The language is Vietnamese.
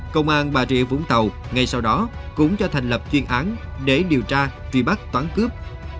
công an bà rịa vũng tàu ngay sau đó cũng cho thành lập chuyên án để điều tra truy bắt toán cướp